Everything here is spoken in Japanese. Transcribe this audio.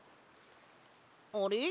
あれ？